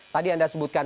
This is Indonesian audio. tadi anda sebutkan